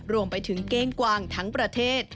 รวมไปถึงเก้งกวางทั้งประเทศ